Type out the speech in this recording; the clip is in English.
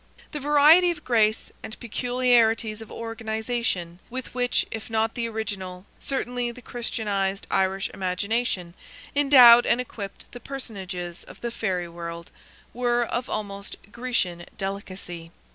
The variety of grace, and peculiarities of organization, with which, if not the original, certainly the Christianized Irish imagination, endowed and equipped the personages of the fairy world, were of almost Grecian delicacy.